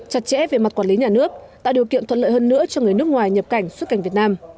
chặt chẽ về mặt quản lý nhà nước tạo điều kiện thuận lợi hơn nữa cho người nước ngoài nhập cảnh xuất cảnh việt nam